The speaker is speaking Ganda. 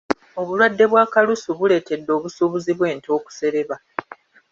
Obulwadde bwa kalusu buleetedde obusuubuzi bw’ente okusereba.